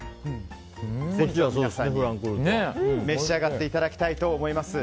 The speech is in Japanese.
ぜひ皆さんに召し上がっていただきたいと思います。